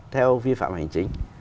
theo vi phạm hành chính